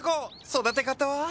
育て方は？